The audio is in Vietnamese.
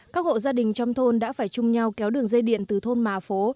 các hộ gia đình trong thôn đã phải chung nhau kéo đường dây điện từ thôn mà phố